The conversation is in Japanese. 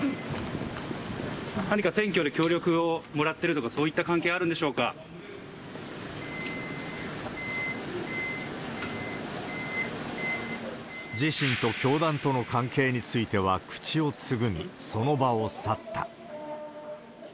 何か選挙で協力をもらってるとか、そういった関係あるんでしょうか自身と教団との関係については口をつぐみ、その場を去った。